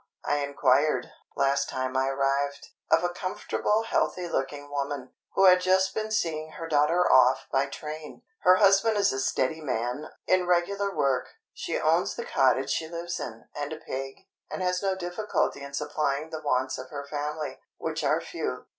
I inquired, last time I arrived, of a comfortable healthy looking woman, who had just been seeing her daughter off by train. Her husband is a steady man, in regular work. She owns the cottage she lives in, and a pig, and has no difficulty in supplying the wants of her family, which are few.